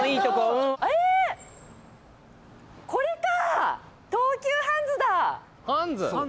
これか！